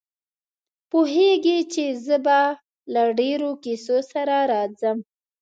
پوهېږي چې زه به له ډېرو کیسو سره راځم.